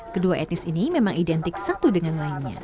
kedua etnis ini memang identik satu dengan lainnya